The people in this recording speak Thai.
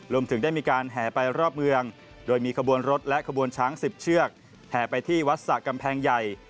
รวมถึงได้มีการแห่ไปรอบเมืองโดยมีขบวนรถและขบวนช้าง๑๐เชือกแห่ไปที่วัดสระกำแพงใหญ่